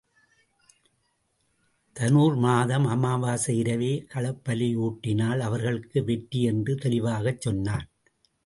தநுர் மாதம் அமாவாசை இரவே களப்பலியூட்டினால் அவர்களுக்கு வெற்றி என்று தெளிவாகச் சொன்னான்.